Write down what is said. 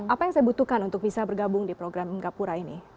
apa yang saya butuhkan untuk bisa bergabung di program enggapura ini